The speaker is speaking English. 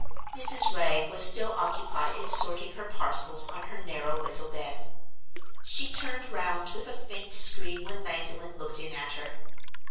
Mrs. Wragge was still occupied in sorting her parcels on her narrow little bed. She turned round with a faint scream when Magdalen looked in at her.